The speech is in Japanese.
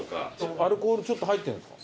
アルコールちょっと入ってるんですか？